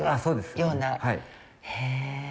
そうです。